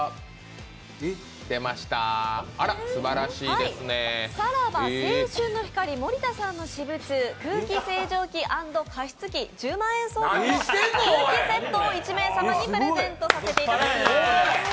出ました、すばらしいですねさらば青春の光、森田さんの私物、空気清浄機＆加湿器１０万円相当の空気セットを１名様にプレゼントします。